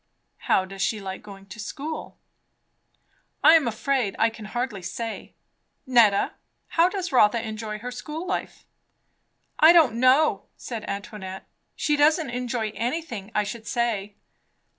"How does she like going to school?" "I am afraid I can hardly say. Netta, how does Rotha enjoy her school life?" "I don't know," said Antoinette. "She doesn't enjoy anything, I should say."